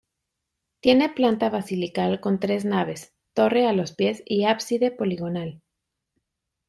Tiene planta basilical con tres naves, torre a los pies y ábside poligonal.